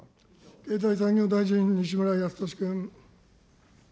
経済産業大臣、西村康稔君。